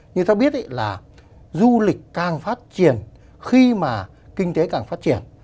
như ta biết là du lịch càng phát triển khi mà kinh tế càng phát triển